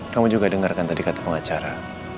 kamu juga dengarkan tadi kata pengacara